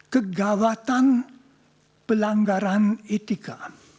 kegawatan pelanggaran etika